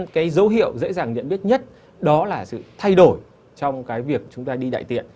cái dấu hiệu dễ dàng nhận biết nhất đó là sự thay đổi trong cái việc chúng ta đi đại tiện